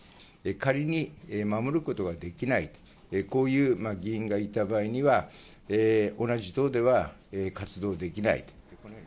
仮に守ることができない、こういう議員がいた場合には、同じ党では活動できないと。